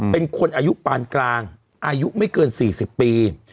เป็นคนอายุปานกลางอายุไม่เกิน๔๐ปี